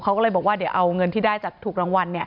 เขาก็เลยบอกว่าเดี๋ยวเอาเงินที่ได้จากถูกรางวัล